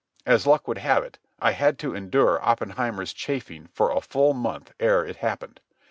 As luck would have it, I had to endure Oppenheimer's chaffing for a full month ere it happened.